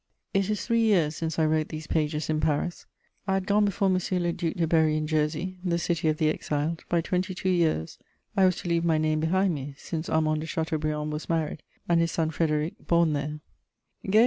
'"* It is three years since I wrote these pages in Paris; I had gone before M. le Duc de Berry in Jersey, the city of the exiled, by twenty two years; I was to leave my name behind me, since Armand de Chateaubriand was married, and his son Frédéric born there.